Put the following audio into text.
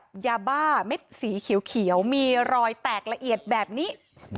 ยาบ้าเม็ดสีเขียวมีรอยแตกละเอียดแบบนี้